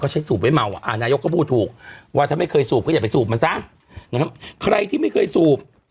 อืมอืมอืมอืมอืมอืมอืมอืมอืมอืมอืมอืมอืม